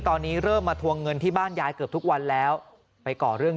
ตอนนี้เริ่มมาทวงเงินที่บ้านยายเกือบทุกวันแล้วไปก่อเรื่อง